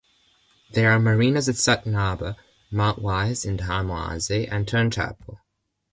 There are marinas at Sutton Harbour, Mount Wise in the Hamoaze and at Turnchapel.